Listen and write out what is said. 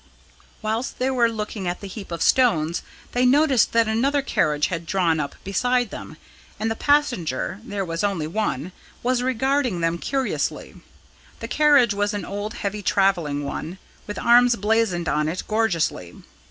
Whilst they were looking at the heap of stones, they noticed that another carriage had drawn up beside them, and the passenger there was only one was regarding them curiously. The carriage was an old heavy travelling one, with arms blazoned on it gorgeously.